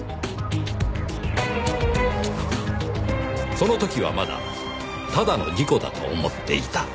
その時はまだただの事故だと思っていた。